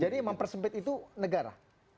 jadi emang persempit itu negara